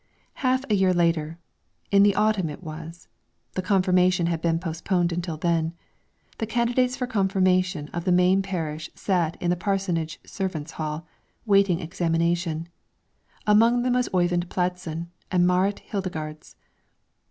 Half a year later in the autumn it was (the confirmation had been postponed until then) the candidates for confirmation of the main parish sat in the parsonage servant's hall, waiting examination, among them was Oyvind Pladsen and Marit Heidegards.